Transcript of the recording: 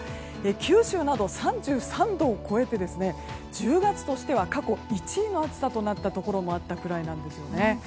九州など３３度を超えて１０月としては過去１位の暑さとなったところもあったくらいなんです。